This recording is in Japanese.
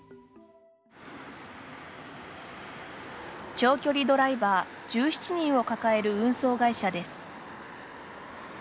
長距離ドライバー１７人を抱える運送会社です。